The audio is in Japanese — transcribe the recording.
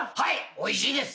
おいしいです。